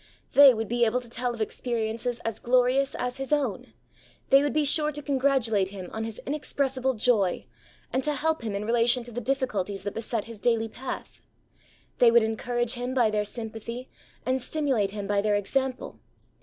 They would be able to tell of experiences as glorious as his own; they would be sure to congratulate him on his inexpressible joy, and to help him in relation to the difficulties that beset his daily path. They would encourage him by their sympathy and stimulate him by their example.